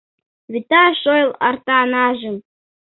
Вӱта шойыл артанажым